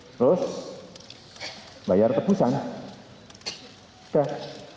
terus bayar tebusan sudah